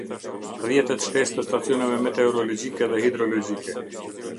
Rrjetet shtesë të stacioneve meteorologjike dhe hidrologjike.